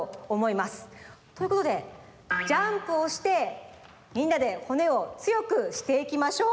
ということでジャンプをしてみんなで骨をつよくしていきましょう！